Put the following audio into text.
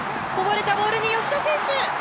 こぼれたボールに吉田選手。